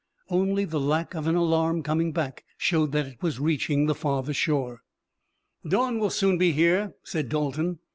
Only the lack of an alarm coming back showed that it was reaching the farther shore. "Dawn will soon be here," said Dalton.